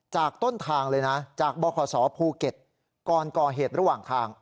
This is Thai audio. จากต้นทางเลยนะจากบขภูเก็ตก่อนก่อเหตุระหว่างทาง